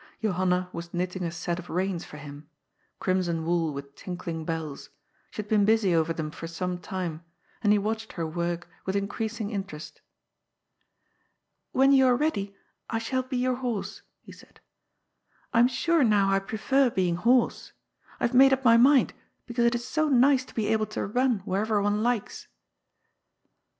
Johanna was knitting a set of reins for him — crimson wool with tinkling bells ; she had been busy over them for some time, and he watched her work with increasing interest. " When you are ready, I shall be your horse," he said ;" I am sure now I prefer being horse. I have made up my mind, because it is so nice to be able to run wherever one likes."